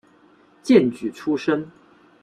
荐举出身。